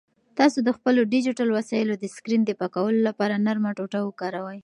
تاسو د خپلو ډیجیټل وسایلو د سکرین د پاکولو لپاره نرمه ټوټه وکاروئ.